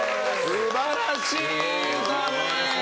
素晴らしい歌で。